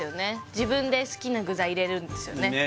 自分で好きな具材入れるんですよね